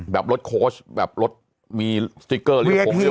แบบรถโค้ชแบบรถมีสติ๊กเกอร์เรีย